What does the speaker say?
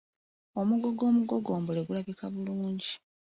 Omugogo omugogombole gulabika bulungi.